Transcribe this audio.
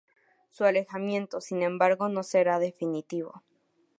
Su alejamiento sin embargo no será definitivo.